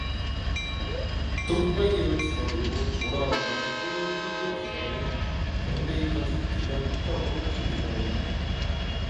뚝배기를 집어 들고 돌아앉아 훌훌 마시더니 건데기까지 두매한짝으로 건져 먹는다.